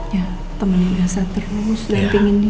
ya temenin dia saat terlalu sedantingin dia